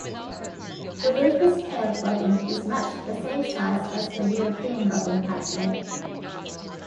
The rufous-tailed robin is much the same size as the European robin at length.